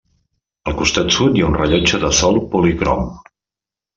Al costat sud hi ha un rellotge de sol policrom.